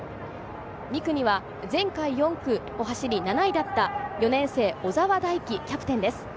２区には前回、４区を走り７位だった４年生・小澤大輝、キャプテンです。